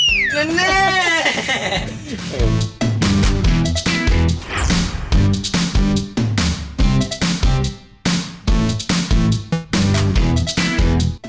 พี่ก้องเป็นคนอย่างไรครับ